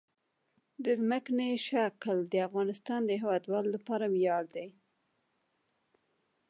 ځمکنی شکل د افغانستان د هیوادوالو لپاره ویاړ دی.